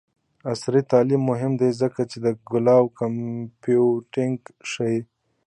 عصري تعلیم مهم دی ځکه چې د کلاؤډ کمپیوټینګ ښيي.